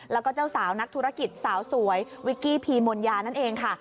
แล้วก็เจ้าสาวนักธุรกิจสาวสวยวิกกี้พีมนยานั่นเองค่ะ